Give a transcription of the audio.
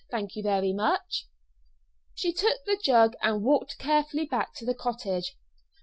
Thank you very much." She took the jug and walked carefully back to the cottage.